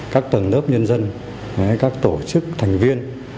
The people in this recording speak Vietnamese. các tầng lớp nhân dân các tổ chức thành viên